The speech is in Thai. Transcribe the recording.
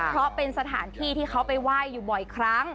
เพราะเป็นสถานที่ที่เขาไปไหว้อยู่บ่อยครั้ง